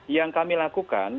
yang kami lakukan